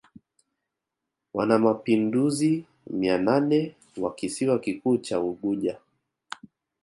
wanamapinduzi mia nane wa kisiwa kikuu cha Unguja